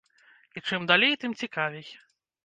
І чым далей, тым цікавей.